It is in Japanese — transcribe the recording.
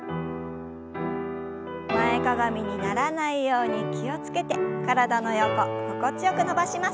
前かがみにならないように気を付けて体の横心地よく伸ばします。